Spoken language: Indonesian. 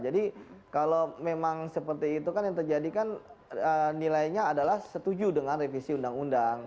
jadi kalau memang seperti itu kan yang terjadi kan nilainya adalah setuju dengan revisi undang undang